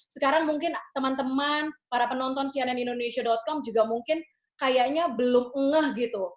sekarang mungkin teman teman para penonton cnnindonesia com juga mungkin kayaknya belum ngeh gitu